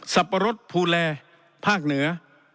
ับปะรดภูแลภาคเหนือ